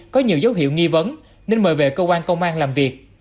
có nhiều dấu hiệu nghi vấn nên mời về công an công an làm việc